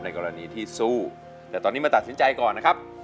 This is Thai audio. กรณีที่สู้แต่ตอนนี้มาตัดสินใจก่อนนะครับ